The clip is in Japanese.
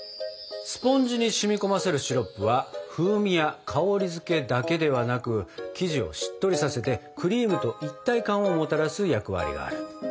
スポンジに染み込ませるシロップは風味や香りづけだけではなく生地をしっとりさせてクリームと一体感をもたらす役割がある。